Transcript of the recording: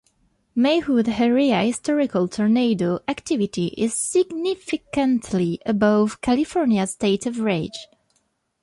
Maywood-area historical tornado activity is significantly above California state average.